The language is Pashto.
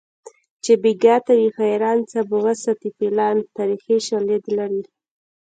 چې بیګا ته وي حیران څه به وساتي فیلان تاریخي شالید لري